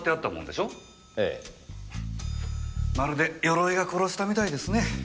まるで鎧が殺したみたいですね。